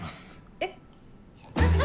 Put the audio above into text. えっ？